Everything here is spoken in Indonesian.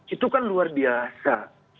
itu kan luar biasa